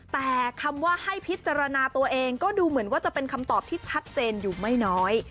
แต่คำว่าให้พิจารณาตัวเองก็ดูเหมือนว่าจะเป็นคำตอบที่ชัดเจนอยู่ไม่น้อย